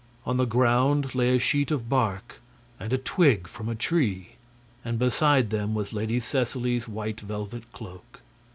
On the ground lay a sheet of bark and a twig from a tree, and beside them was Lady Seseley's white velvet cloak.